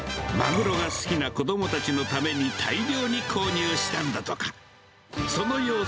マグロが好きな子どもたちのために、大量に購入したんだとか。